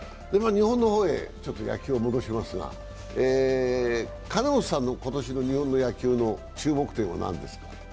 日本の方へ野球を戻しますが金本さんの今年の日本の野球の注目点は何ですか？